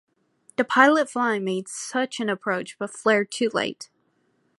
The pilot flying made such an approach but flared too late.